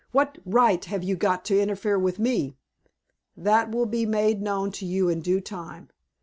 "What right have you to interfere with me?" "That will be made known to you in due time.